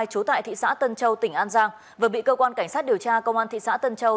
chú tại thị xã tân châu tỉnh an giang vừa bị cơ quan cảnh sát điều tra công an thị xã tân châu